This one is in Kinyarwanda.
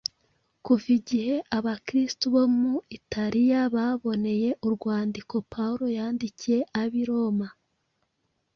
Kuva igihe Abakristo bo mu Italiya baboneye urwandiko Pawulo yandikiye ab’i Roma